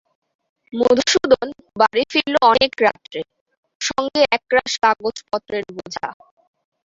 মধুসূদন বাড়ি ফিরল অনেক রাত্রে, সঙ্গে একরাশ কাগজপত্রের বোঝা।